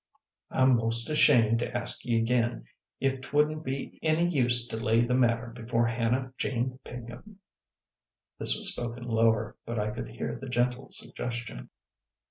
"I'm 'most ashamed to ask ye again if 't would be any use to lay the matter before Hannah Jane Pinkham?" This was spoken lower, but I could hear the gentle suggestion.